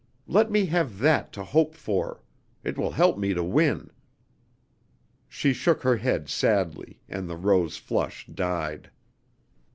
Let me have that to hope for. It will help me to win." She shook her head sadly, and the rose flush died.